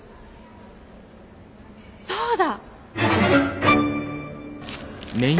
そうだ！